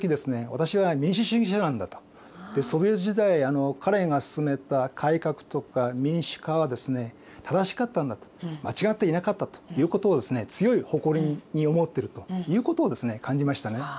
私は民主主義者なんだとソビエト時代彼が進めた改革とか民主化は正しかったんだと間違っていなかったということをですね強い誇りに思ってるということをですね感じましたね。